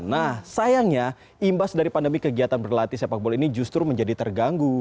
nah sayangnya imbas dari pandemi kegiatan berlatih sepak bola ini justru menjadi terganggu